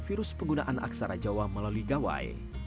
virus penggunaan aksara jawa melalui gawai